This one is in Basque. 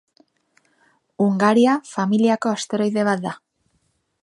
Hungaria familiako asteroide bat da.